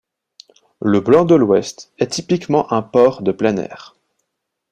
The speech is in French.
Le blanc de l'Ouest est typiquement un porc de plein air.